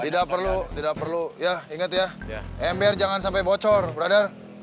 tidak perlu tidak perlu ya ingat ya ember jangan sampai bocor berada